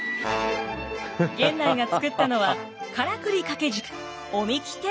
源内が作ったのはからくり掛け軸お神酒天神。